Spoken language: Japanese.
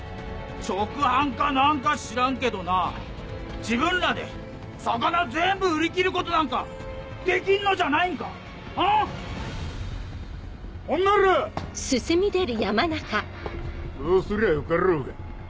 直販か何か知らんけどな自分らで魚全部売り切ることなんかできんのじゃないんかあぁ⁉ほんならそうすりゃよかろうが。